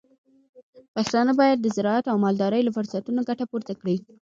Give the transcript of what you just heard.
پښتانه بايد د زراعت او مالدارۍ له فرصتونو ګټه پورته کړي.